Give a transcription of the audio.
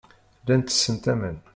Llant tessent aman.